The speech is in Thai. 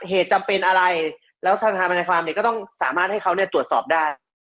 เหตุจำเป็นอะไรแล้วธนายความก็ต้องสามารถให้เขาเนี่ยตรวจสอบได้